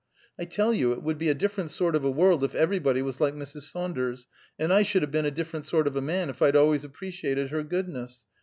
I tell you, it would be a different sort of a world if everybody was like Mrs. Saunders, and I should ha' been a different sort of a man if I'd always appreciated her goodness.